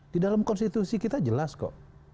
di dalam konstitusi kita jelas kok